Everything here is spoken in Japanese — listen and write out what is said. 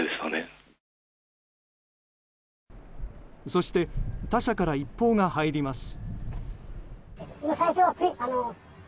そして他社から一報が入ります。